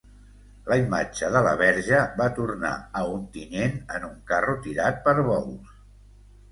La imatge de la Verge va tornar a Ontinyent en un carro tirat per bous.